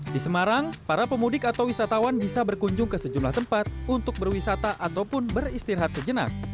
di semarang para pemudik atau wisatawan bisa berkunjung ke sejumlah tempat untuk berwisata ataupun beristirahat sejenak